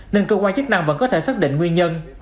nên cơ quan chức năng vẫn có thể xác định nguyên nhân